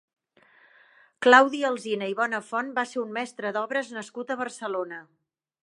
Claudi Alsina i Bonafont va ser un mestre d'obres nascut a Barcelona.